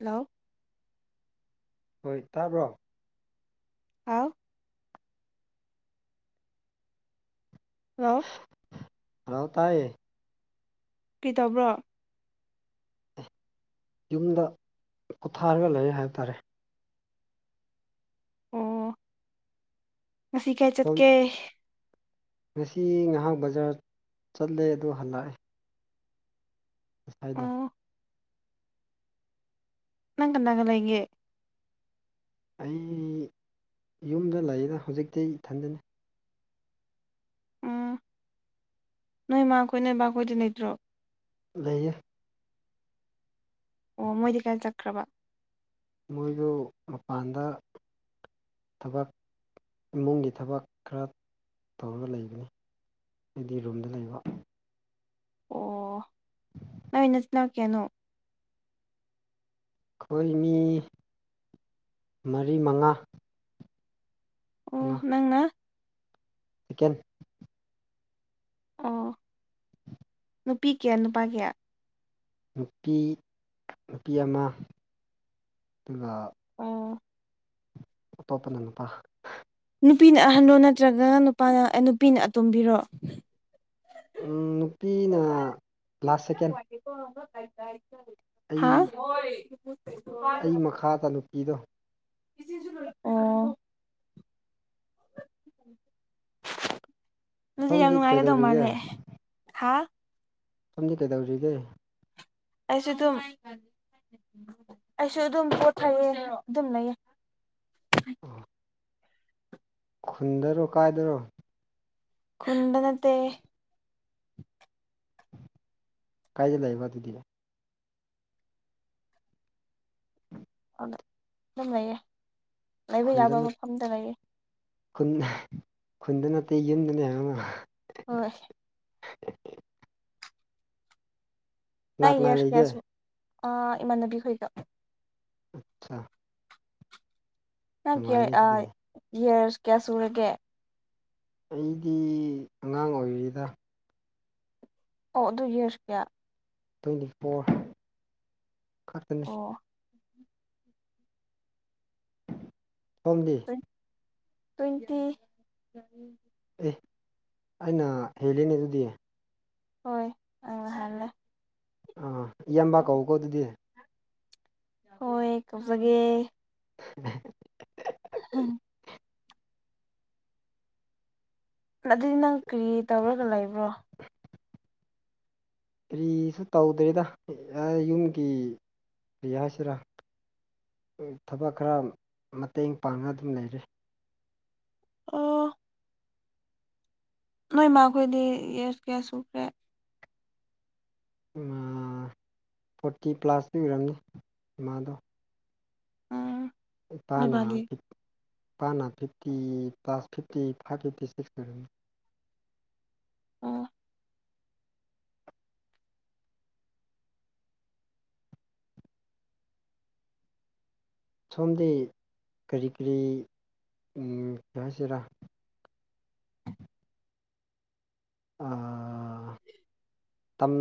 hello ꯍꯣꯏ ꯇꯥꯕ꯭ꯔꯣ ꯑꯥꯎ ꯍꯜꯂꯣ ꯍꯔꯥꯎ ꯇꯑ ꯀꯩꯇꯧꯕ꯭ꯔꯣ ꯌꯨꯝꯗ ꯈꯨꯣꯠꯊꯥꯔꯒ ꯂꯩ ꯍꯥꯏꯕ ꯇꯥꯔꯦ ꯑꯣ ꯉꯁꯤ ꯀꯩ ꯆꯠ ꯁꯣꯝ ꯀꯦ ꯉꯁꯤ ꯉꯥꯏꯍꯥꯛ ꯕꯖꯥꯔ ꯆꯠꯂꯦ ꯑꯗꯨꯗ ꯍꯜꯂꯛꯑꯦ ꯑꯁꯥꯏꯗ ꯑꯣ ꯅꯪꯒꯅ ꯅꯅꯥꯜ ꯂꯩ ꯏꯦ ꯑꯩ ꯌꯨꯝꯗ ꯂꯩꯌꯦꯗ ꯍꯧꯖꯤꯛꯇꯤ ꯏꯊꯟꯗꯅꯤ ꯎꯝ ꯅꯣꯏ ꯃꯥ ꯑꯩꯈꯣꯏ ꯅꯣꯏ ꯏꯕꯕꯥ ꯑꯩꯈꯣꯏꯗꯤ ꯂꯩꯇ꯭ꯔꯣ ꯂꯩ ꯑꯣ ꯃꯣꯏꯗꯤ ꯀꯥꯏ ꯆꯠꯈ꯭ꯔꯕ ꯃꯣꯏꯗꯨ ꯃꯄꯥꯟꯗ ꯊꯕꯛ ꯏꯃꯨꯡꯒꯤ ꯊꯕꯛ ꯈꯔ ꯇꯧꯔꯒ ꯂꯩꯕꯅꯤ ꯍꯥꯏꯗꯤ ꯔꯨꯝꯗ ꯂꯩꯕ ꯑꯣ ꯅꯣꯏ ꯅ ꯆꯅꯥꯛ ꯀꯦꯅꯣ ꯑꯩꯈꯣꯏ ꯃꯤ ꯃꯔꯤ ꯃꯉꯥ ꯑꯣ ꯅꯪꯅ ꯆꯀꯦꯟ ꯑꯣ ꯅꯨꯄꯤ ꯀꯌꯥ ꯅꯨꯄꯥ ꯀꯌꯥ ꯅꯨꯄꯤ ꯅꯨꯄꯤ ꯑꯃ ꯑꯗꯨꯒ ꯑꯣ ꯑꯇꯣꯞꯄꯅ ꯅꯨꯄꯥ ꯅꯨꯄꯤꯅ ꯑꯍꯜꯂꯣ ꯅꯠꯇ꯭ꯔꯒ ꯅꯨꯄꯥꯅ ꯅꯨꯄꯤꯅ ꯑꯇꯣꯝꯕꯤꯔꯣ ꯅꯨꯄꯤꯅ ꯂꯥꯁ ꯁꯦꯀꯦꯟ ꯑꯩ ꯍꯥ ꯑꯩ ꯃꯈꯥꯗ ꯅꯨꯄꯤꯗꯣ ꯑꯣ ꯑꯗꯨꯗꯤ ꯌꯥꯝ ꯁꯣꯝꯗꯤ ꯅꯨꯡꯉꯥꯏꯒꯗꯧ ꯀꯩꯗꯧꯔꯤꯒꯦ ꯃꯥꯜꯂꯦ ꯍꯥ ꯁꯣꯝꯗꯤ ꯀꯩꯗꯧꯔꯤꯒꯦ ꯑꯩꯁꯨ ꯑꯗꯨꯝ ꯑꯩꯁꯨ ꯑꯗꯨꯝ ꯄꯣꯠꯊꯩꯌꯦ ꯑꯗꯨꯝ ꯂꯩꯌꯦ ꯑꯣ [inaudible] ꯈꯨꯟꯗꯔꯣ ꯀꯥꯏꯗꯔꯣ ꯀꯨꯟꯗ ꯅꯠꯇꯦ ꯀꯥꯏꯗ ꯂꯩꯕ ꯑꯗꯨꯗꯤ ꯑꯗꯨꯝ ꯂꯩꯌꯦ ꯂꯩꯕ ꯈꯨꯟꯗ ꯌꯥꯕ ꯃꯐꯝꯗ ꯂꯩꯌꯦ ꯈꯨꯟ ꯈꯨꯟꯗ ꯅꯠꯇꯦ ꯌꯨꯝꯗꯅꯦ ꯍꯣꯏ ꯎ [inaudible] ꯅꯥ ꯀꯅꯥ ꯌꯦꯁ ꯂꯩꯒꯦ ꯌꯦꯁ ꯏꯃꯥꯟꯅꯕꯤꯈꯣꯏꯗ ꯑꯆꯥ ꯅꯪ ꯀꯌꯥ ꯑꯗꯨꯗꯤ ꯌꯦꯁ ꯀꯌꯥ ꯁꯨꯔꯒꯦ ꯑꯩꯗꯤ ꯑꯉꯥꯡ ꯑꯣꯏꯔꯤꯗ ꯑꯣ ꯑꯗꯨ ꯌꯦꯁ ꯀꯌꯥ ꯇ꯭ꯋꯦꯟꯇꯤ ꯐꯣꯔ ꯈꯛꯇꯅꯦ ꯑꯣ ꯁꯣꯝꯗꯤ ꯇ꯭ꯋꯦꯟꯇꯤ ꯑꯦ ꯑꯩꯅ ꯍꯦꯜꯂꯤꯅꯦ ꯑꯗꯨꯗꯤ ꯍꯣꯏ ꯅꯪꯅ ꯍꯥꯜꯂꯦ ꯑꯥ ꯏꯌꯥꯝꯕ ꯀꯧꯀꯣ ꯑꯗꯨꯗꯤ ꯍꯣꯢꯌꯦ ꯀꯧꯖꯒꯦ ꯎꯝ [inaudible] ꯍꯝ [inaudible] ꯑꯗꯨꯗꯤ ꯅꯪ ꯀꯔꯤ ꯇꯧꯔꯒ ꯂꯩꯕ꯭ꯔꯣ ꯀꯔꯤꯁꯨ ꯇꯧꯗ꯭ꯔꯤꯗ ꯌꯨꯝꯒꯤ ꯀꯔꯤ ꯍꯥꯏꯁꯤꯔꯥ ꯊꯕꯛ ꯈꯔ ꯃꯇꯦꯡ ꯄꯥꯡꯉ ꯑꯗꯨꯝ ꯂꯩꯔꯦ ꯑꯣ ꯅꯣꯏ ꯃꯥꯈꯣꯏꯗꯤ ꯌꯦꯁ ꯀꯌꯥ ꯁꯨꯈ꯭ꯔꯦ ꯐꯣꯔꯇꯤ ꯄ꯭ꯂꯥꯁꯇꯤ ꯑꯣꯏꯔꯝꯅꯤ ꯏꯃꯥꯗꯣ ꯎꯝ ꯏꯄꯥꯅ ꯅꯣꯏꯕꯥꯗꯤ ꯏꯄꯥꯅ fifty plus fifty five fifty six ꯑꯣꯏꯔꯅꯤ ꯑꯣ ꯁꯣꯝꯗꯤ ꯀꯔꯤ ꯀꯔꯤ ꯀꯩ ꯍꯥꯏꯁꯤꯔꯥ ꯇꯝ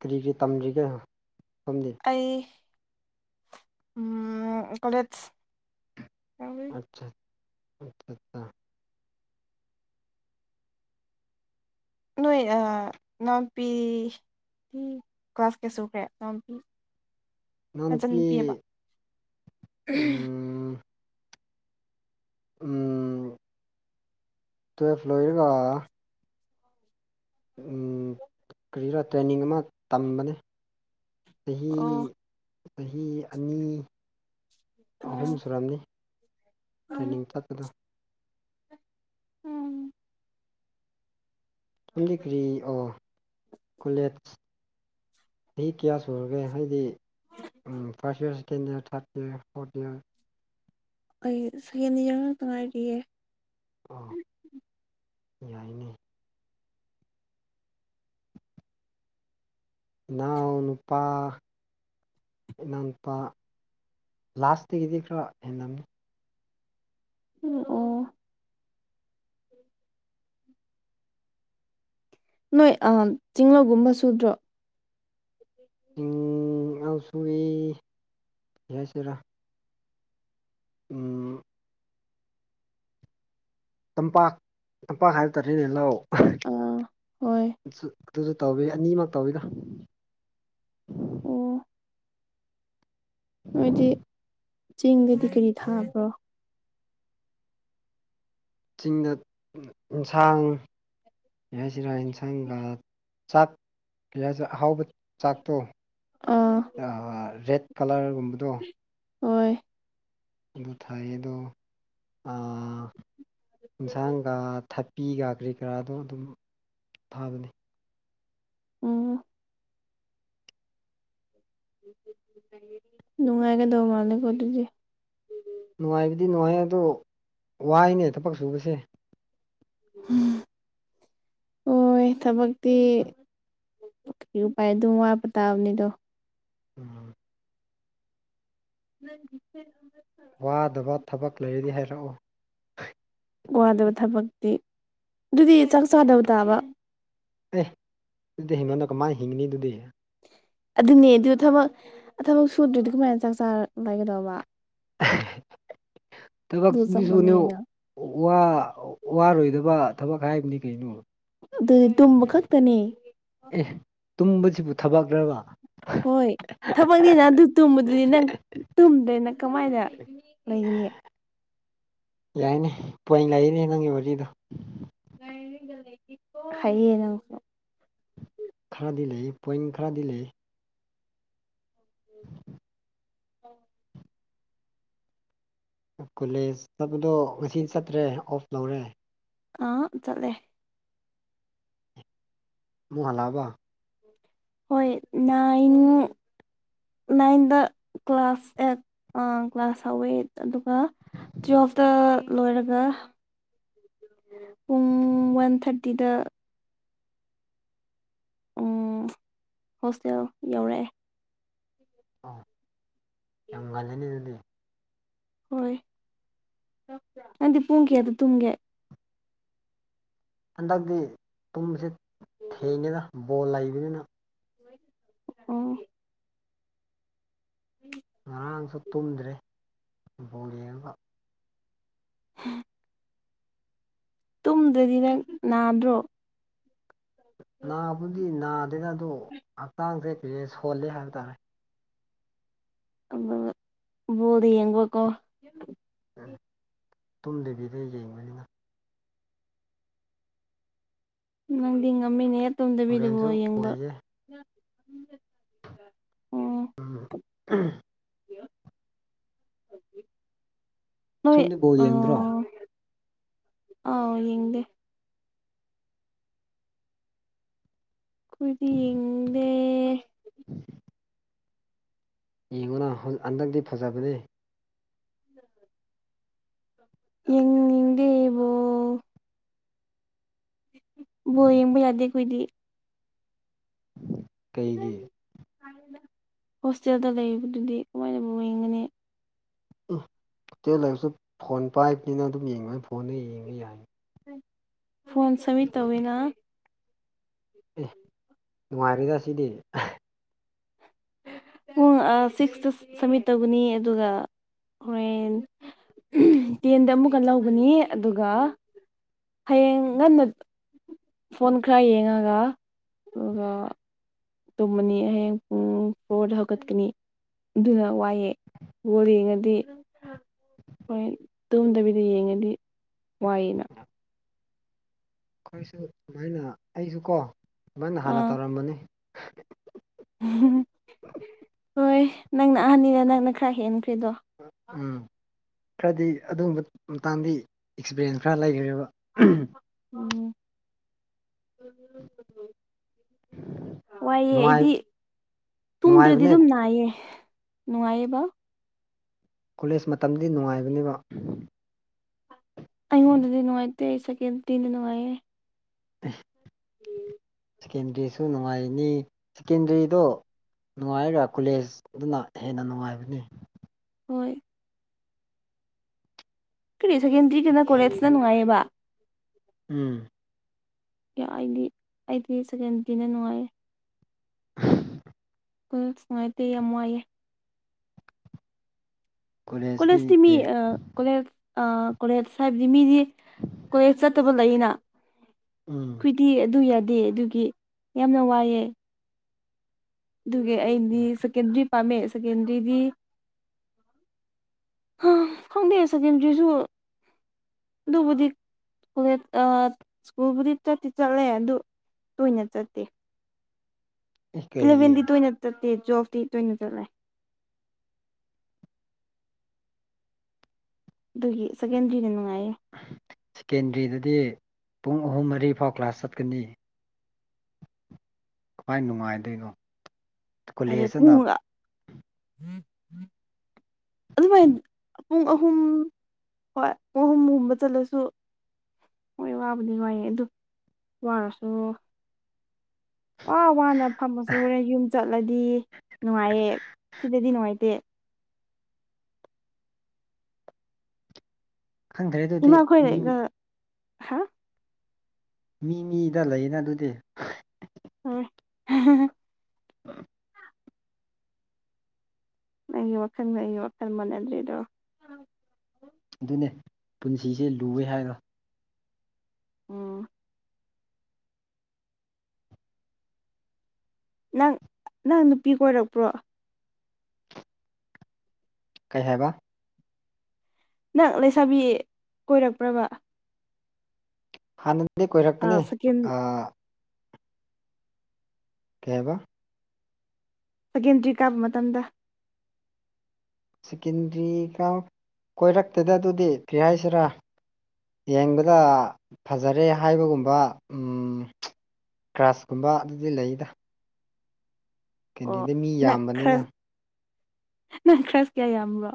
ꯀꯔꯤ ꯀꯔꯤ ꯇꯝꯔꯤꯒꯦ ꯁꯣꯝꯗꯤ ꯑꯩ ꯎꯝ ꯀꯣꯂꯦꯖ ꯑꯆꯥ ꯑ [inaudible] ꯅꯣꯏ ꯑꯥ ꯅꯥꯝꯄꯤ ꯀ꯭ꯂꯥꯁ ꯀꯌꯥ ꯁꯨꯈ꯭ꯔꯦ ꯢꯅꯥꯎꯄꯤ ꯅꯆꯥꯟ ꯅꯍꯥꯟꯀꯤ ꯅꯨꯄꯤꯌꯦꯕ ꯎꯝ ꯇꯨꯋꯦꯞ ꯂꯣꯢꯔꯒ ꯀꯔꯤꯔ ꯇ꯭ꯔꯦꯟꯅꯤꯡ ꯑꯃ ꯇꯝꯕꯅꯦ ꯆꯍꯤ ꯑꯣ ꯆꯍꯤ ꯑꯅꯤ ꯑꯍꯨꯝ ꯎꯝ ꯁꯨꯔꯝꯅꯤ ꯇ꯭ꯔꯦꯅꯤꯡ ꯆꯠꯄꯗꯣ ꯎꯝ ꯅꯪꯗꯤ ꯀ꯭ꯔꯤ ꯑꯣ ꯀꯣꯂꯦꯖ ꯆꯍꯤ ꯀꯌꯥ ꯁꯨꯔꯒꯦ ꯍꯥꯏꯗꯤ ꯐꯥꯔꯁꯠ ꯏꯔꯀꯦꯟ ꯏꯔ ꯊꯥꯔꯗ ꯏꯔ ꯐꯣꯔꯠ ꯏꯔ ꯑꯩ ꯁ ꯍꯦꯟꯅꯤ ꯌꯦꯡ ꯉꯥꯛꯛꯇ ꯉꯥꯏꯔꯤꯌꯦ ꯑꯥ ꯌꯥꯏꯅꯦ ꯏꯅꯥꯎ ꯅꯨꯄꯥ ꯏꯅꯥꯎꯅꯨꯄꯥ ꯂꯥꯁꯇꯒꯤꯗꯤ ꯈꯔ ꯍꯦꯟꯅꯅꯤ ꯎꯝ ꯑꯣ ꯅꯣꯏ ꯆꯤꯡꯂꯧꯒꯨꯝꯕ ꯁꯨꯗ꯭ꯔꯣ ꯆꯤꯡ ꯑ ꯁꯏ ꯌꯥꯏꯁꯤꯔꯥ ꯎ ꯇꯝꯄꯥꯛ ꯇꯝꯄꯥꯛ ꯍꯥꯏ ꯇꯥꯔꯦꯅꯦ ꯂꯥꯎ ꯑꯥ ꯍꯣꯏ ꯑꯗꯨꯁꯨ ꯇꯧꯋꯤ ꯑꯅꯤꯃꯛ ꯇꯧꯋꯤꯗꯣ ꯑꯣ ꯑꯗꯨꯗꯤ ꯆꯦꯡꯗꯗꯤ ꯀꯔꯤ ꯊꯥꯕ꯭ꯔꯣ ꯆꯤꯡꯗ ꯌꯦꯟꯁꯥꯡ ꯌꯥꯁꯤꯔꯥ ꯌꯦꯟꯁꯥꯡꯒ ꯆꯥꯛ ꯑꯍꯥꯎꯕ ꯆꯥꯛꯇꯣ ꯑꯥ ꯔꯦꯠ ꯀꯂꯔꯒꯨꯝꯕꯗꯣ ꯍꯣꯏ ꯑꯗꯨ ꯊꯥꯏꯗꯣ ꯌꯦꯟꯁꯥꯡꯒ ꯊꯄꯤꯒ ꯀꯔꯤ ꯀꯔꯥꯗꯣ ꯑꯗꯨꯝ ꯊꯥꯕꯅꯤ ꯎꯝ ꯅꯨꯡꯉꯥꯏꯒ ꯗꯣ ꯃꯥꯦ ꯀꯣ ꯂꯤꯦ ꯅꯨꯡꯉꯥꯏꯕꯗꯤ ꯅꯨꯡꯉꯥꯏ ꯑꯗꯣ ꯋꯥꯏꯅꯦ ꯊꯕꯛ ꯁꯨꯕꯁꯦ ꯎꯝ ꯍꯣꯏ ꯊꯕꯛꯇꯤ ꯀꯩ ꯎꯄꯥꯏ ꯑꯗꯨꯝ ꯋꯥꯄ ꯇꯥꯕꯅꯤꯗꯣ ꯎꯝ ꯃ ꯋꯥꯗꯕ ꯊꯕꯛ ꯂꯩꯔꯗꯤ ꯍꯥꯏꯔꯛꯎ ꯋꯥꯗꯕ ꯊꯕꯛꯇꯤ ꯑꯗꯨꯗꯤ ꯆꯥꯛ ꯆꯥꯗꯕ ꯇꯥꯕ ꯑꯦ ꯑꯗꯨꯗꯤ ꯍꯦꯃꯟ ꯀ ꯃꯥꯥꯏ ꯍꯤꯡꯅꯤꯗꯨꯗꯤ ꯑꯗꯨꯅꯦ ꯑꯗꯨ ꯊꯕꯛ ꯊꯕꯛ ꯁꯨꯗ꯭ꯔꯔꯤꯗꯤ ꯀꯃꯥꯏꯅ ꯆꯥꯛ ꯆꯥ ꯂꯒꯗꯧꯕ ꯇꯕ ꯑꯗꯨ ꯆꯞ ꯁꯅꯣ ꯃꯥꯟꯅꯩꯅ ꯋꯥ ꯋꯥꯔꯣꯏꯗꯕ ꯊꯕꯛ ꯍꯥꯏꯕꯅꯤ ꯀꯩꯅꯣ ꯑꯗꯨꯗꯤ ꯇꯨꯝꯕ ꯈꯛꯇꯅꯤ ꯑꯦ ꯇꯨꯝꯕꯁꯤꯕꯨ ꯊꯕꯛꯇ꯭ꯔꯕ ꯍꯣꯏ ꯊꯕꯛꯅꯦꯅ ꯑꯗꯨ ꯇꯨꯝꯕꯗꯨꯗꯤ ꯅꯪ ꯇꯨꯝꯗꯣꯏ ꯅꯪ ꯀꯃꯥꯏꯅ ꯂꯩꯒꯅꯤ ꯌꯥꯏꯅꯦ ꯄꯣꯏꯟ ꯂꯩꯅꯦ ꯅꯪꯒꯤ ꯋꯥꯔꯤꯗꯣ ꯈꯥꯏꯌꯦꯅ ꯈꯔꯗꯤ ꯂꯩ ꯄꯣꯏꯟ ꯈꯔꯗꯤ ꯂꯩ ꯑꯣ ꯀꯣꯂꯦꯖ ꯆꯠꯄꯗꯣ ꯉꯁꯤ ꯆꯠꯇ꯭ꯔꯦ ꯑꯣꯐ ꯂꯧꯔꯦ ꯑꯥ ꯆꯂꯦ ꯃꯣ ꯑꯂꯕ ꯍꯣꯏ ꯅꯥꯏꯟ ꯅꯥꯏꯟꯗ ꯀ꯭ꯂꯥꯁ ꯑꯦꯠ ꯀ꯭ꯂꯥꯁ ꯍꯧꯋꯦꯠ ꯑꯗꯨꯒ ꯇꯨꯌꯦꯜꯐꯇ ꯂꯣꯏꯔꯒ ꯄꯨꯡ ꯋꯥꯟ ꯊꯥꯔꯇꯤꯗ ꯎꯝ ꯍꯣꯁꯇꯦꯜ ꯌꯧꯔꯛꯑꯦ ꯑ ꯌꯥꯝ ꯉꯜꯂꯤꯅꯤ ꯑꯗꯨꯗꯤ ꯍꯣꯏ ꯅꯪꯗꯤ ꯄꯨꯡ ꯀꯌꯥ ꯑꯗꯨ ꯇꯨꯝꯒꯦ ꯍꯟꯗꯛꯇꯤ ꯇꯨꯝꯁꯦ ꯊꯦꯡꯅꯤꯅ ꯕꯣꯜ ꯂꯩꯕꯅꯤꯅ ꯑ ꯎꯝ ꯉꯔꯥꯡꯁꯨ ꯇꯨꯝꯗ꯭ꯔꯦ ꯎꯄꯨ ꯌꯦꯡꯉꯒ ꯎꯝ ꯇꯨꯝꯗ꯭ꯔꯗꯤ ꯅꯪ ꯅꯥꯗ꯭ꯔꯣ ꯅꯥꯕꯨꯗꯤ ꯅꯥꯗꯦꯅ ꯑꯗꯨ ꯍꯛꯆꯥꯡꯁꯦ ꯀꯩꯦ ꯁꯣꯜꯂꯤꯦ ꯍꯥꯏꯕ ꯇꯥꯔꯦ ꯕꯣꯜꯗꯤ ꯌꯦꯡꯕꯔꯣ ꯇꯨꯝꯗꯕꯤꯗ ꯌꯦꯡꯕꯅꯤꯅ ꯅꯪꯗꯤ ꯉꯝꯃꯤꯅꯦꯍꯦ ꯇꯨꯝꯗꯕꯤꯗꯨꯕꯣ ꯍꯣꯔꯦꯟꯁꯨ ꯌꯦꯡꯕ ꯂꯩꯌꯦ ꯑꯣ ꯎꯝ ꯅꯣꯏ ꯁꯣꯝꯗꯤ ꯕꯣꯜ ꯌꯦꯡꯗ꯭ꯔꯣ ꯑꯥꯎ ꯌꯦꯡꯗꯦ ꯈꯣꯏꯗꯤ ꯌꯦꯡꯅꯤꯡꯗꯦ [inaudible] ꯌꯦꯡꯉꯨꯅ ꯍꯟꯗꯛꯇꯤ ꯐꯖꯕꯅꯦ ꯎꯝ ꯕꯣꯜ ꯌꯦꯡꯕ ꯌꯥꯗꯦ ꯑꯈꯣꯏꯗꯤ ꯀꯩꯒꯤ ꯍꯣꯁꯇꯦꯜꯗ ꯂꯩꯔꯤꯕꯗꯨꯗꯤ ꯀꯃꯥꯏꯅ ꯕꯣꯜ ꯌꯦꯡꯒꯅꯤ ꯍꯣꯇꯦꯜ ꯂꯩꯕꯁꯨ ꯐꯣꯟ ꯄꯥꯏꯕꯅꯤꯅ ꯑꯗꯨꯝ ꯌꯦꯡꯕ ꯐꯣꯟꯗ ꯌꯦꯡꯕ ꯌꯥꯏ ꯐꯣꯟ ꯁꯥꯃꯤꯠ ꯇꯧꯋꯤꯅ ꯑꯦ ꯅꯨꯡꯉꯥꯏꯔꯤꯗ ꯁꯤꯗꯤ ꯄꯨꯡ ꯁꯤꯛꯁꯇ ꯁꯝꯃꯤꯠ ꯇꯧꯒꯅꯤ ꯑꯗꯨꯒ ꯍꯣꯔꯦꯟ ꯇꯦꯟꯗ ꯑꯃꯨꯛꯀ ꯂꯧꯕꯅꯤ ꯑꯗꯨꯒ ꯍꯌꯦꯡ ꯉꯟꯅ ꯐꯣꯟ ꯈꯔ ꯌꯦꯡꯉꯒ ꯑꯗꯨꯒ ꯇꯨꯝꯃꯅꯤ ꯍꯌꯦꯡ ꯐꯣꯠ ꯍꯧꯒꯠꯀꯅꯤ ꯑꯗꯨꯅ ꯋꯥꯏꯑꯦ ꯕꯣꯜ ꯌꯦꯡꯉꯗꯤ ꯍꯣꯏ ꯇꯨꯝꯗꯕꯤꯗ ꯌꯦꯡꯉꯗꯤ ꯋꯥꯏꯅ ꯑꯩꯈꯣꯏꯁꯨ ꯁꯨꯃꯥꯏꯅ ꯑꯩꯁꯨ ꯀꯣ ꯁꯨꯃꯥꯏꯅ ꯍꯥꯟꯅ ꯑꯥ ꯇꯧꯔꯝꯕꯅꯤ ꯍꯣꯏ ꯅꯪꯅ ꯑꯍꯟꯅꯤꯅ ꯅꯪꯅ ꯈꯔ ꯍꯦꯟꯈ꯭ꯔꯦꯗꯣ ꯎꯝ ꯈꯔꯗꯤ ꯑꯗꯨꯒꯨꯝꯕ ꯃꯇꯥꯡꯗꯤ ꯑꯦꯛꯁꯄꯤꯔꯤꯌꯦꯟꯁ ꯈꯔ ꯂꯩꯈ꯭ꯔꯦꯕ ꯎꯝ ꯎꯝ ꯋꯥꯏꯑꯦ ꯅꯨꯡꯉꯥꯏ ꯑꯩꯗꯤ ꯇꯨꯝꯗ꯭ꯔꯗꯤ ꯅꯨꯡꯉꯥꯏꯕꯅꯦ ꯑꯗꯨꯝ ꯅꯥꯏꯌꯦ ꯅꯨꯡꯉꯥꯏꯔꯤꯕꯣ ꯀꯣꯂꯦꯖ ꯃꯇꯝꯗꯤ ꯅꯨꯡꯉꯥꯏꯕꯅꯦꯕꯣ ꯑꯩꯉꯣꯟꯗꯗꯤ ꯅꯨꯡꯉꯥꯏꯇꯦ ꯁꯦꯀꯦꯟꯗꯔꯤ ꯅ ꯅꯨꯡꯉꯥꯏꯌꯦ [unintelligible] ꯁꯦꯀꯦꯟꯗꯔꯤꯁꯨ ꯅꯨꯡꯉꯥꯏꯅꯤ ꯁꯦꯀꯦꯟꯗꯔꯤꯗꯣ ꯅꯨꯡꯉꯥꯏꯔꯒ ꯀꯣꯂꯦꯖ ꯑꯗꯨꯅ ꯍꯦꯟꯅ ꯅꯨꯡꯉꯥꯏꯕꯅꯦ ꯍꯣꯏ ꯀꯔꯤ ꯁꯦꯀꯦꯟꯗ꯭ꯔꯤꯒꯅ ꯀꯣꯂꯦꯖꯅ ꯅꯨꯡꯉꯥꯏꯌꯦꯕ ꯎꯝ ꯌꯥ ꯑꯩꯗꯤ ꯑꯩꯗꯤ ꯁꯦꯀꯦꯟꯗꯔꯤꯅ ꯅꯨꯡꯉꯥꯏꯌꯦ [unintelligible] ꯎꯁ ꯅꯨꯡꯉꯥꯏꯇꯦ ꯌꯥꯝ ꯋꯥꯏꯌꯦ ꯀꯣꯂꯦꯖꯇꯤ ꯃꯤ ꯑꯥ ꯀꯣꯂꯦꯖ ꯑꯥ ꯀꯣꯂꯦꯖ ꯍꯥꯏꯕꯗꯤ ꯃꯤꯗꯤ ꯀꯣꯂꯦꯖ ꯆꯠꯇꯕ ꯂꯩꯌꯦꯅ ꯎꯝ ꯈꯣꯏꯗꯤ ꯑꯗꯨ ꯌꯥꯗꯦ ꯑꯗꯨꯒꯤ ꯌꯥꯝꯅ ꯋꯥꯏꯑꯦ ꯑꯗꯨꯒꯤ ꯑꯩꯗꯤ ꯁꯦꯀꯦꯟꯗ꯭ꯔꯤ ꯄꯥꯝꯃꯦ ꯁꯦꯀꯦꯟꯗ꯭ꯔꯤꯗꯤ ꯍꯥ ꯈꯪꯗꯦ ꯁꯦꯀꯦꯟꯗ꯭ꯔꯤꯁꯨ ꯑꯗꯨꯕꯨꯗꯤ ꯀꯣꯂꯦꯖ ꯏꯁꯀꯨꯜꯕꯨꯗꯤ ꯆꯠꯇꯤ ꯆꯠꯂꯦ ꯑꯗꯨ ꯇꯣꯏꯅ ꯆꯠꯇꯦ ꯑꯦ ꯀꯩꯒꯤ ꯏꯂꯚꯦꯟꯗꯤ ꯇꯣꯏꯅ ꯆꯠꯇꯦ ꯇꯨꯌꯦꯞꯇꯤ ꯇꯣꯏꯅ ꯆꯠꯂꯦ ꯑꯗꯨꯒꯤ ꯁꯦꯀꯦꯟꯗ꯭ꯔꯤꯅ ꯅꯨꯡꯉꯥꯏꯌꯦ ꯁꯦꯀꯦꯟꯗ꯭ꯔꯤꯗꯗꯤ ꯄꯨꯡ ꯑꯍꯨꯝ ꯃꯔꯤ ꯐꯥꯎ ꯀ꯭ꯂꯥꯁ ꯆꯠꯀꯅꯤ ꯀꯃꯥꯏ ꯅꯨꯡꯉꯥꯏꯗꯣꯏꯅꯣ ꯂꯥꯏꯔꯤꯛ ꯀꯣꯂꯦꯖꯇꯅ ꯄꯨꯔꯒꯥ ꯑꯗꯨꯃꯥꯏꯅ ꯄꯨꯡ ꯑꯍꯨꯝ ꯍꯣꯏ ꯄꯨꯡ ꯑꯍꯨꯝ ꯒꯨꯝꯕ ꯆꯠꯂꯁꯨ ꯍꯣꯏ ꯋꯥꯕꯨꯗꯤ ꯋꯥꯏꯑꯦ ꯑꯗꯨ ꯋꯥꯔꯁꯨ ꯑꯥ ꯋꯥꯅ ꯐꯝꯃꯁꯨ ꯍꯨꯔꯦꯟ ꯌꯨꯝ ꯆꯠꯂꯗꯤ ꯅꯨꯡꯉꯥꯏꯌꯦ ꯁꯤꯗꯗꯤ ꯅꯨꯡꯉꯥꯏꯇꯦ ꯈꯪꯗ꯭ꯔꯦ ꯑꯗꯨꯗꯤ ꯏꯃꯥ ꯈꯣꯏꯒ ꯃꯤ ꯑꯩꯒ ꯃꯤ ꯃꯤꯗ ꯂꯩꯌꯦꯗ ꯑꯗꯨꯗꯤ ꯍꯣꯏ [unintelligible] ꯍꯝ ꯅꯪꯒꯤ ꯋꯥꯈꯜꯒ ꯑꯩꯒꯤ ꯋꯥꯈꯜꯒ ꯃꯥꯟꯅꯗ꯭ꯔꯤꯗꯣ ꯑꯗꯨꯅꯦ ꯄꯨꯟꯁꯤꯁꯦ ꯂꯨꯏꯋꯦ ꯍꯥꯏꯗꯣ ꯎꯝ ꯅꯪ ꯅꯪ ꯅꯨꯄꯤ ꯀꯣꯏꯔꯛꯄ꯭ꯔꯣ ꯀꯩ ꯍꯥꯏꯕ ꯅꯪ ꯂꯩꯁꯥꯕꯤ ꯀꯣꯏꯔꯛꯄꯔꯕ ꯍꯥꯟꯅꯗꯤ ꯀꯣꯏꯔꯛꯄꯅꯦ ꯁꯦꯀꯦꯟ ꯑꯥ ꯀꯩ ꯍꯥꯏꯕ ꯁꯦꯀꯦꯟꯗꯔꯤ ꯀꯥꯕ ꯃꯇꯝꯗ ꯁꯦꯀꯦꯟꯗꯔꯤ ꯀꯥꯕ ꯀꯣꯏꯔꯛꯇꯦꯗ ꯑꯗꯨꯗꯤ ꯀꯔꯤ ꯍꯥꯏꯁꯤꯔꯥ ꯌꯦꯡꯕꯗ ꯐꯖꯔꯦ ꯍꯥꯏꯕꯒꯨꯝꯕ ꯎꯝ ꯀꯔꯁ ꯀꯨꯝꯕ ꯑꯗꯨꯗꯤ ꯂꯩꯗ ꯑꯣ ꯀꯦꯟꯗꯤꯗꯤ ꯃꯤ ꯅꯪ ꯌꯥꯝꯕꯅꯤꯅ ꯈꯔ ꯅꯪ ꯀꯔꯁ ꯀꯌꯥ ꯌꯥꯝꯕ꯭ꯔꯣ